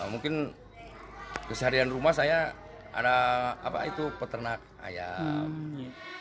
mungkin kesaharian rumah saya ada peternak ayam